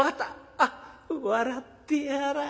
あっ笑ってやらぁ。